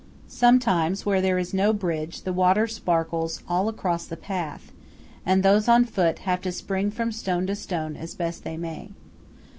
Sometimes where there is no bridge the water sparkles all across the path, and those on foot have to spring from stone to stone as best they may.